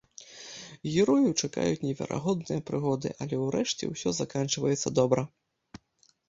Герояў чакаюць неверагодныя прыгоды, але ўрэшце ўсё заканчваецца добра.